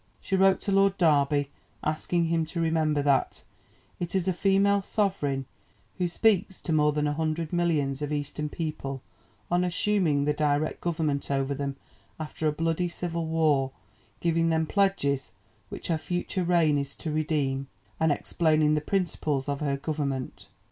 She wrote to Lord Derby asking him to remember that "it is a female sovereign who speaks to more than a hundred millions of Eastern people on assuming the direct government over them after a bloody, civil war, giving them pledges which her future reign is to redeem, and explaining the principles of her government.